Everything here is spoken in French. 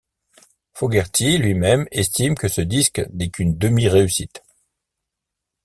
Fogerty lui-même estime que ce disque n'est qu'une demi réussite.